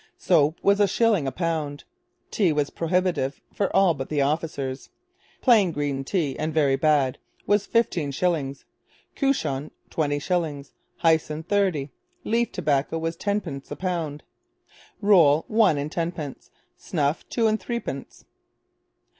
Soap was a shilling a pound. Tea was prohibitive for all but the officers. 'Plain Green Tea and very Badd' was fifteen shillings, 'Couchon' twenty shillings, 'Hyson' thirty. Leaf tobacco was tenpence a pound, roll one and tenpence, snuff two and threepence.